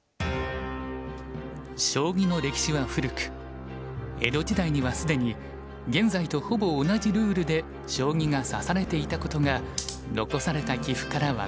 将棋の歴史は古く江戸時代には既に現在とほぼ同じルールで将棋が指されていたことが残された棋譜から分かります。